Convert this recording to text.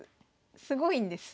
すごいんです。